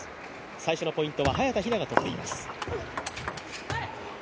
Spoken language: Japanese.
最初のポイントは早田ひなが取っています。